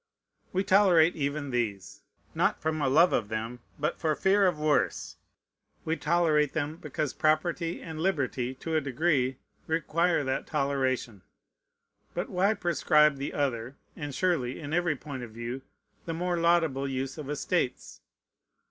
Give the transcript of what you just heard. We tolerate even these, not from love of them, but for fear of worse. We tolerate them, because property and liberty, to a degree, require that toleration. But why proscribe the other, and surely, in every point of view, the more laudable use of estates?